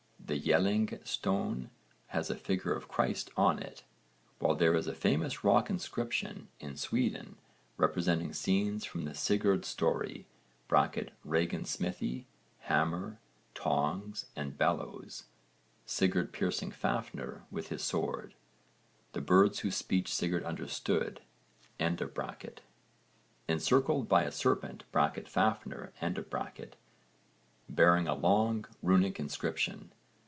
86): the Jellinge stone has a figure of Christ on it, while there is a famous rock inscription in Sweden representing scenes from the Sigurd story (Regin's smithy, hammer, tongs and bellows, Sigurd piercing Fafnir with his sword, the birds whose speech Sigurd understood) encircled by a serpent (Fafnir) bearing a long runic inscription.